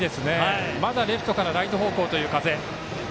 まだレフトからライト方向という風。